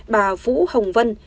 bà phũ hồng vân